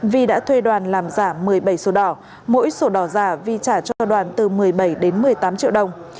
vi đã thuê đoàn làm giả một mươi bảy sổ đỏ mỗi sổ đỏ giả vi trả cho đoàn từ một mươi bảy đến một mươi tám triệu đồng